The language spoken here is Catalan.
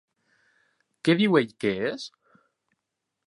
Què diu ell que és?